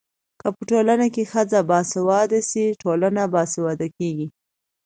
که په ټولنه کي ښځه باسواده سي ټولنه باسواده کيږي.